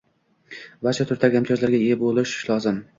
Barcha turdagi imtiyozlarga ega bo'lish lozim.